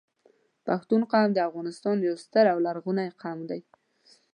پښتون قوم د افغانستان یو ستر او لرغونی قوم دی